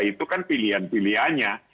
itu kan pilihan pilihannya